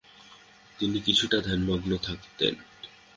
তিনি কিছুটা ধ্যানমগ্ন থাকতেন।